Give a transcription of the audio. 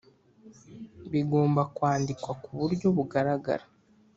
bigomba kwandikwa ku buryo bugaragara